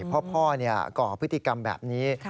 เพราะพ่อกร่องพฤติกรรมแบบนี้